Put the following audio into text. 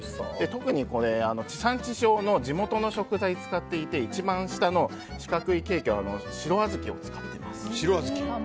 特にこれ、地産地消の地元の食材を使っていて一番下の四角いケーキは白小豆を使っています。